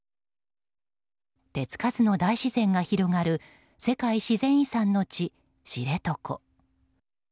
手つかずの大自然が広がる世界自然遺産の地・知床。